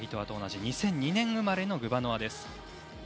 ２００２年生まれのグバノワです。